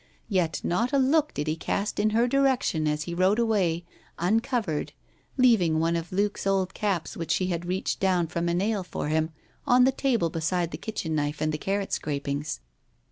Yet not a look did he cast in her direction as he rode away, uncovered, leaving one of Luke's old caps, which she had reached down from a nail for him, on the table beside the kitchen knife and the carrot scrapings.